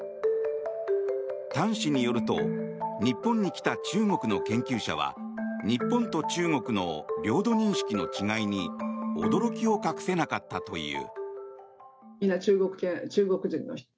譚氏によると日本に来た中国の研究者は日本と中国の領土認識の違いに驚きを隠せなかったという。